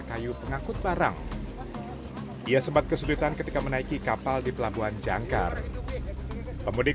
kayu pengangkut barang ia sempat kesulitan ketika menaiki kapal di pelabuhan jangkar pemudik